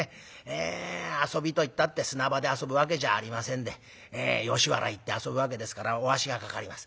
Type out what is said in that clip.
遊びといったって砂場で遊ぶわけじゃありませんで吉原行って遊ぶわけですからおあしがかかります。